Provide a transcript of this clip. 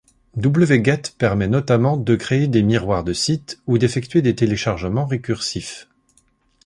Wget permet notamment de créer des miroirs de sites, ou d’effectuer des téléchargements récursifs.